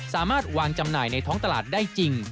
สามารถวางจำหน่ายในท้องตลาดได้จริง